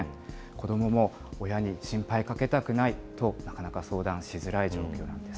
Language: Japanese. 子どもも親に心配かけたくないと、なかなか相談しづらい状況です。